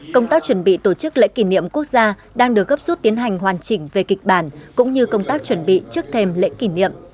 công tác chuẩn bị tổ chức lễ kỷ niệm quốc gia đang được gấp rút tiến hành hoàn chỉnh về kịch bản cũng như công tác chuẩn bị trước thêm lễ kỷ niệm